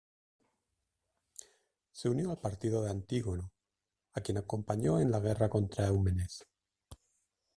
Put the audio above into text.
Se unió al partido de Antígono, a quien acompañó en la guerra contra Eumenes.